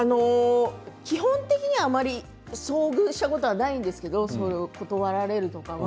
基本的にはあまり遭遇したことはないんですけど断られるとかは。